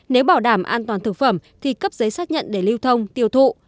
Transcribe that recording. nếu bảo đảm an toàn thực phẩm thì cấp giấy xác nhận để lưu thông tiêu thụ